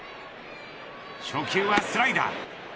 初球はスライダー。